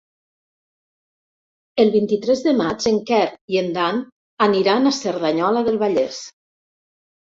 El vint-i-tres de maig en Quer i en Dan aniran a Cerdanyola del Vallès.